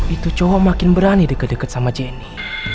itu coho makin berani deket deket sama jenny